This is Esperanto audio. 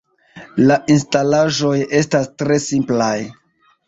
La instalaĵoj estas tre simplaj.